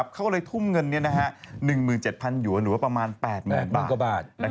เขาก็เลยทุ่มเงิน๑๗๐๐หยวนหรือว่าประมาณ๘๐๐๐บาท